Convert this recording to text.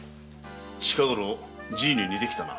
近ごろじいに似てきたな。